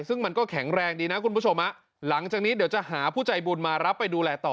ซึ่งมันก็แข็งแรงดีนะคุณผู้ชมหลังจากนี้เดี๋ยวจะหาผู้ใจบุญมารับไปดูแลต่อ